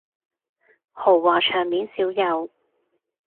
豪華場面少有